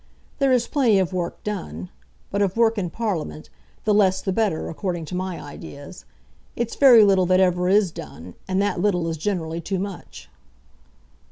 There is plenty of work done; but of work in Parliament, the less the better, according to my ideas. It's very little that ever is done, and that little is generally too much."